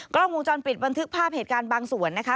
กล้องวงจรปิดบันทึกภาพเหตุการณ์บางส่วนนะคะ